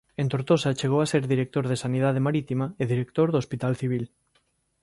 En Tortosa chegou a ser director de Sanidade marítima e director do Hospital Civil.